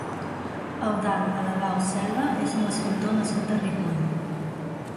Eudald Alabau Selva és un escultor nascut a Ripoll.